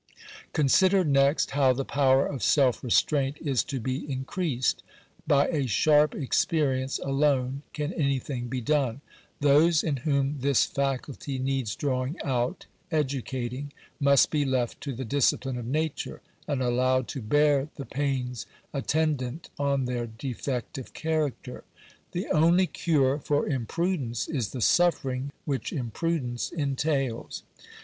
Consider next how the power of self restraint is to be in creased. By a sharp experience alone can anything be done. Those in whom this faculty needs drawing out — educating must be left to the discipline of nature, and allowed to bear the pains attendant on their defect of character. The only cure for imprudence is the suffering which imprudence entails.